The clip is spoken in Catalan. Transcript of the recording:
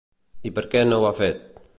I per què no ho ha fet?